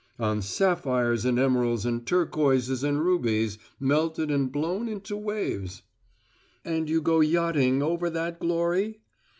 "On sapphires and emeralds and turquoises and rubies, melted and blown into waves." "And you go yachting over that glory?"